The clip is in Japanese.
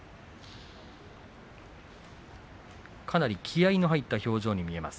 かなり気合いの入った表情に見えます。